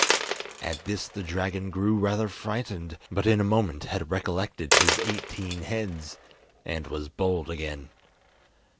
At this the dragon grew rather frightened, but in a moment had recollected his eighteen heads, and was bold again.